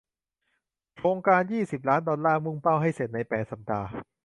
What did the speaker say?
โครงการยี่สิบล้านดอลลาร์มุ่งเป้าให้เสร็จในแปดสัปดาห์